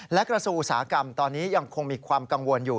และกระทรวงอุตสาหกรรมตอนนี้ยังคงมีความกังวลอยู่